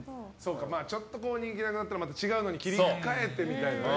ちょっと人気がなくなったから違うのに切り替えてみたいなね。